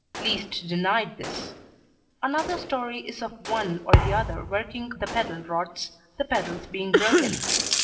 Liszt denied this. Another story is of one or the other working the pedal rods the pedals being broken.